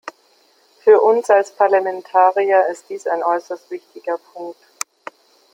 Für uns als Parlamentarier ist dies ein äußerst wichtiger Punkt.